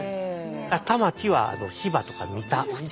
田町は芝とか三田。